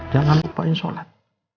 jangan lupain sholat